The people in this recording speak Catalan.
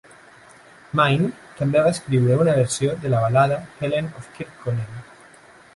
Mayne també va escriure una versió de la balada, "Helen of Kirkconnel".